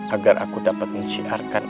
agar aku dapat menciarkan